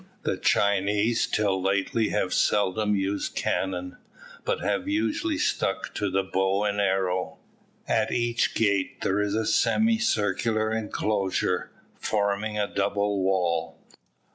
The Chinese till lately have seldom used cannon, but have usually stuck to the bow and arrow. At each gate there is a semicircular enclosure, forming a double wall.